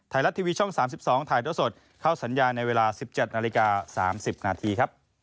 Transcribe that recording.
ไทยรัฐทีวีช่อง๓๒ถ่ายเท่าสดเข้าสัญญาณในเวลา๑๗นาฬิกา๓๐นาทีครับ